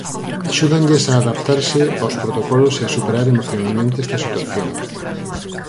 Axúdanlles a adaptarse aos protocolos e a superar emocionalmente esta situación.